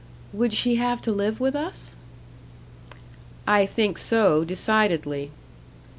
"Would she have to live with us?" "I think so, decidedly."